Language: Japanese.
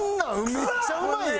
めっちゃうまいやん。